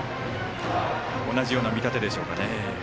同じような見立てでしょうかね。